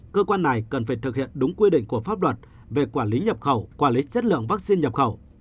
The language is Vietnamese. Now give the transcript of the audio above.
cơ quan này cần phải thực hiện đúng quy định của pháp luật về quản lý nhập khẩu quản lý chất lượng vaccine nhập khẩu